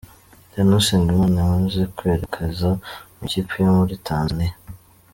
Danny Usengimana yamaze kwerekeza mu ikipe yo muri Tanzania.